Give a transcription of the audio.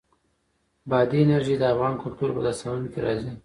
بادي انرژي د افغان کلتور په داستانونو کې راځي.